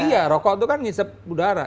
iya rokok itu kan ngisep udara